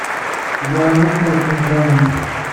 Ẓran akk ur d tuccḍa-nnem.